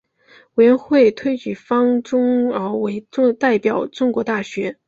委员会推举方宗鳌为代表中国大学。